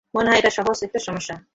মনে হয় এটা সহজ একটা সমস্যা।